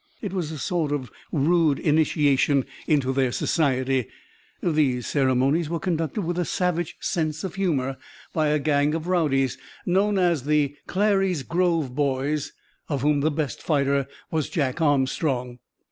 It was a sort of rude initiation into their society. These ceremonies were conducted with a savage sense of humor by a gang of rowdies known as the "Clary's Grove Boys," of whom the "best fighter" was Jack Armstrong.